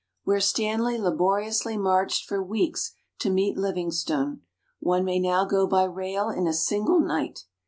Where Stanley laboriously marched for weeks to meet Livingstone, one may now go by rail in a single night.